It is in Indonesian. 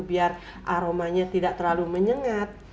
biar aromanya tidak terlalu menyengat